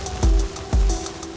harus kamu lah espek b